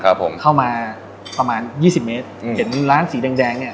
ครับผมเข้ามาประมาณยี่สิบเมตรอืมเห็นร้านสีแดงแดงเนี้ย